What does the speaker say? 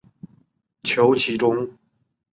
求其中